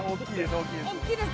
大きいです。